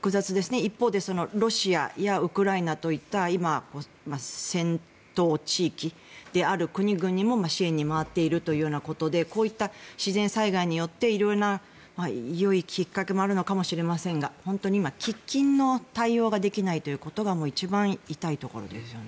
一方でロシアやウクライナといった今戦闘地域である国々も支援に回っているというようなことでこういった自然災害によって色々なよいきっかけもあるのかもしれませんが本当に喫緊の対応ができないということが一番痛いところですよね。